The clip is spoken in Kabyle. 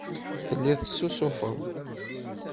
Telliḍ tessusufeḍ.